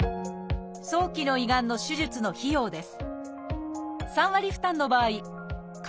早期の胃がんの手術の費用です